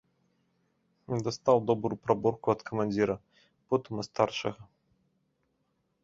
Дастаў добрую праборку ад камандзіра, потым ад старшага.